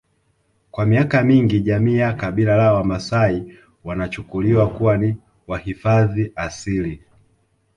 Kwa miaka mingi jamii ya kabila la wamaasai wanachukuliwa kuwa ni wahifadhi asili